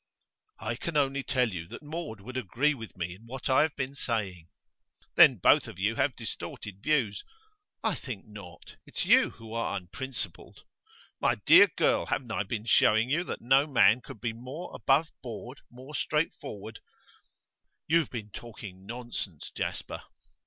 'I can only tell you that Maud would agree with me in what I have been saying.' 'Then both of you have distorted views.' 'I think not. It's you who are unprincipled.' 'My dear girl, haven't I been showing you that no man could be more above board, more straightforward?' 'You have been talking nonsense, Jasper.